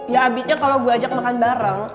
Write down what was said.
ya abisnya kalau gue ajak makan bareng